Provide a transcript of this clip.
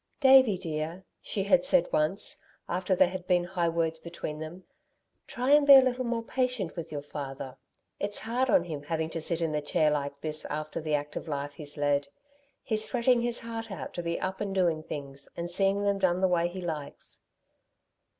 "Davey, dear," she had said once, after there had been high words between them, "try and be a little more patient with your father. It's hard on him having to sit in a chair like this after the active life he's led. He's fretting his heart out to be up and doing things, and seeing them done the way he likes."